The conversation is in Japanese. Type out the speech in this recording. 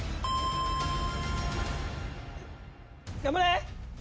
頑張れ！